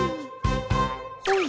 ほい。